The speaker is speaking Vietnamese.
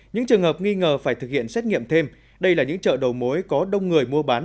những trường hợp nghi ngờ phải thực hiện xét nghiệm thêm đây là những chợ đầu mối có đông người mua bán